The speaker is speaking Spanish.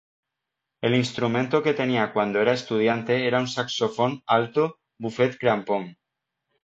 El instrumento que tenía cuando era estudiante era un saxofón alto Buffet-Crampon.